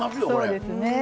そうですね。